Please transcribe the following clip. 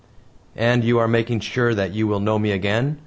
"And you are making sure that you will know me again?"